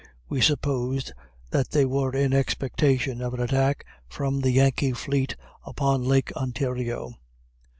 We supposed that they were in expectation of an attack from the Yankee fleet upon lake Ontario.